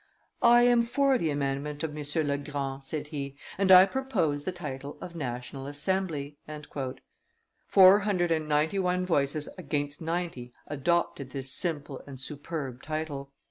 "I am for the amendment of M. Legrand," said he, "and I propose the title of National Assembly." Four hundred and ninety one voices against ninety adopted this simple and superb title.